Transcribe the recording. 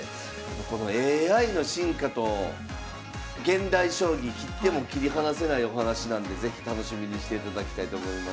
このＡＩの進化と現代将棋切っても切り離せないお話なんで是非楽しみにしていただきたいと思います。